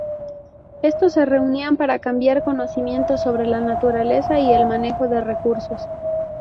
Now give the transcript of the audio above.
Estos se reunían para cambiar conocimiento sobre la naturaleza y el manejo de recursos.